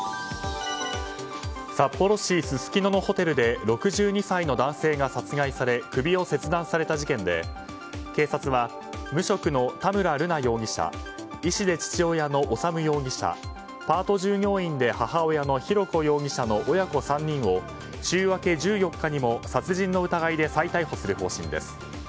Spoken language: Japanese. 札幌市すすきののホテルで６２歳の男性が殺害され首を切断された事件で、警察は無職の田村瑠奈容疑者医師で父親の修容疑者パート従業員で母親の浩子容疑者の親子３人を週明け１４日にも殺人の疑いで再逮捕する方針です。